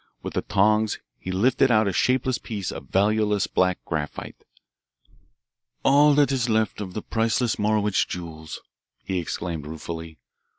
With the tongs he lifted out a shapeless piece of valueless black graphite. "All that is left of the priceless Morowitch jewels," he exclaimed ruefully.